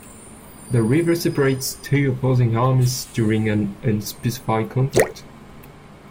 The river separates two opposing armies during an unspecified conflict.